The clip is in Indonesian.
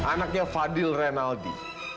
anaknya fadil rinaldi